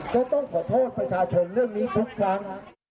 ก็ต้องขอโทษประชาชนเรื่องนี้ทุกครั้ง